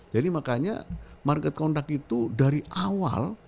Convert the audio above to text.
jadi makanya market conduct itu dari awal